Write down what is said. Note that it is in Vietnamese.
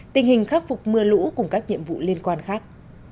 tình hình khắc phục mưa lũ cùng các nhiệm vụ liên quan khác